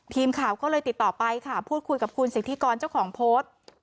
ทีมข่าวก็เลยติดต่อไปค่ะพูดคุยกับคุณสิทธิกรเจ้าของโพสต์